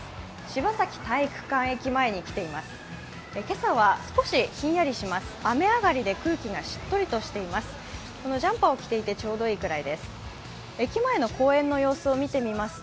柴崎体育館駅前に来ています。